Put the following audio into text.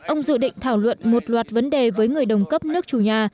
ông dự định thảo luận một loạt vấn đề với người đồng cấp nước chủ nhà